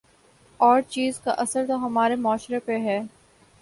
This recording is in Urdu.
اور چیز کا اثر تو ہمارے معاشرے پہ ہو